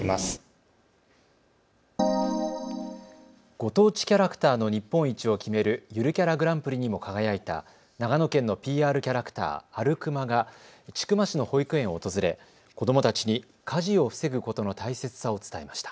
ご当地キャラクターの日本一を決めるゆるキャラグランプリにも輝いた長野県のＰＲキャラクター、アルクマが千曲市の保育園を訪れ子どもたちに火事を防ぐことの大切さを伝えました。